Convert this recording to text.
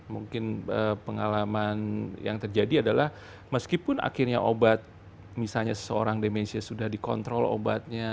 mungkin pengalaman yang terjadi adalah meskipun akhirnya obat misalnya seseorang demensia sudah dikontrol obatnya